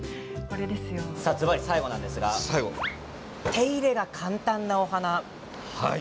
さあ、ずばり最後なんですが手入れが簡単なお花。